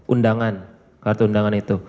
undangan kartu undangan itu